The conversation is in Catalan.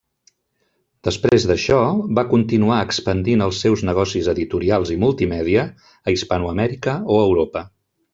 Després d'això, va continuar expandint els seus negocis editorials i multimèdia a Hispanoamèrica o Europa.